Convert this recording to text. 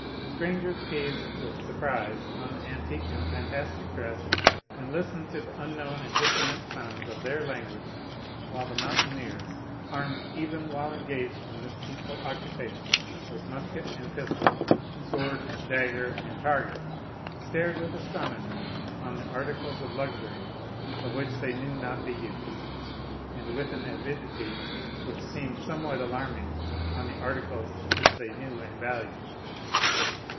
Strangers gazed with surprise on the antique and fantastic dress, and listened to the unknown and dissonant sounds of their language, while the mountaineers, armed, even while engaged in this peaceful occupation, with musket and pistol, sword, dagger, and target, stared with astonishment on the articles of luxury of which they knew not the use, and with an avidity which seemed somewhat alarming on the articles which they knew and valued.